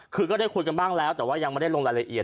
คือก็ได้คุยกันบ้างแล้วแต่ว่ายังไม่ได้ลงรายละเอียด